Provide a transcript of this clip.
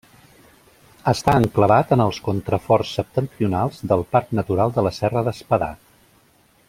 Està enclavat en els contraforts septentrionals del Parc natural de la Serra d'Espadà.